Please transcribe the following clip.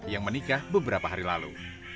yang menikah beberapa hari lalu